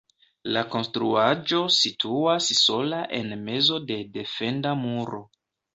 La konstruaĵo situas sola en mezo de defenda muro.